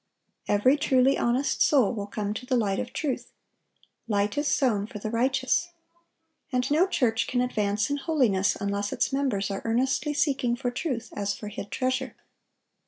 Every truly honest soul will come to the light of truth. "Light is sown for the righteous."(918) And no church can advance in holiness unless its members are earnestly seeking for truth as for hid treasure.